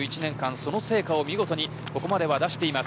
その成果を見事にここまでは出しています。